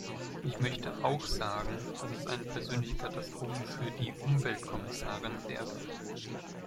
Ich möchte auch sagen, dass es eine persönliche Katastrophe für die Umweltkommissarin wäre.